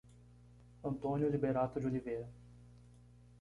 Antônio Liberato de Oliveira